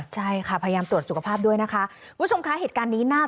ใช่ค่ะพยายามตรวจสุขภาพด้วยนะคะ